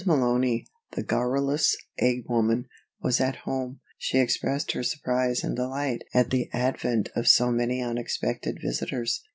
Malony, the garrulous egg woman, was at home; she expressed her surprise and delight at the advent of so many unexpected visitors.